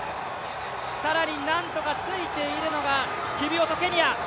更になんとかついているのが、キビウォット、ケニア。